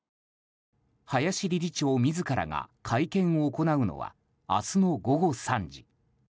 林理事長自らが会見を行うのは明日の午後３時。